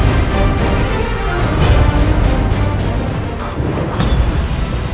ibu nggak merasa punya anak retno